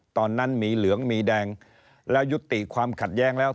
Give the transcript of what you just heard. ตอนนั้นมีเหลืองมีแดงแล้วยุติความขัดแย้งแล้ว